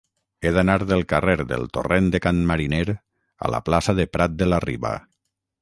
He d'anar del carrer del Torrent de Can Mariner a la plaça de Prat de la Riba.